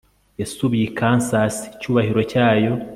Yasubiye i Kansas icyubahiro cyayo